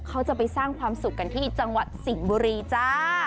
เขาจะไปสร้างความสุขกันที่จังหวัดสิงห์บุรีจ้า